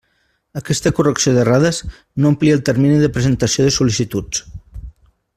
Aquesta correcció d'errades no amplia el termini de presentació de sol·licituds.